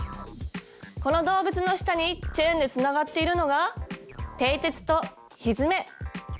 この動物の下にチェーンでつながっているのがてい鉄とひづめ。